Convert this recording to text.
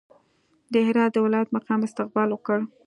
د هرات د ولایت مقام استقبال وکړ.